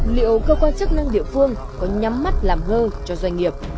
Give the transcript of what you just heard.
liệu cơ quan chức năng địa phương có nhắm mắt làm thơ cho doanh nghiệp